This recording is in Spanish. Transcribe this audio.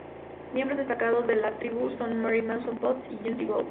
Miembros destacados de la tribu son Marie Mason Potts y Janice Gould.